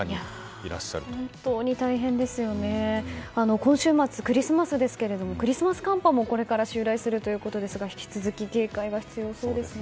今週末クリスマスですけれどもクリスマス寒波もこれから襲来するということですが引き続き警戒が必要そうですね。